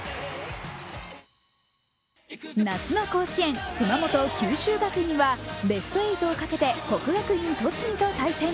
夏の甲子園、熊本・九州学院はベスト８をかけて国学院栃木と対戦。